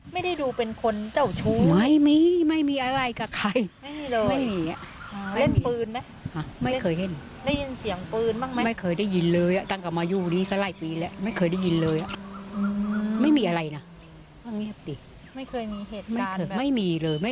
หน้าการทะเลาะไม่มีเลย